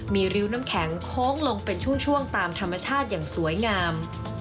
มีริ้วน้ำแข็งโค้งลงเป็นช่วงตามธรรมชาติอย่างสวยงาม